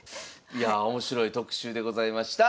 いやあ面白い特集でございました。